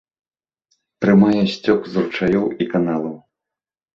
Прымае сцёк з ручаёў і каналаў.